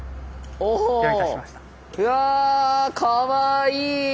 おお。うわかわいい！